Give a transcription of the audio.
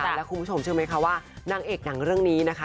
แล้วคุณผู้ชมเชื่อไหมคะว่านางเอกหนังเรื่องนี้นะคะ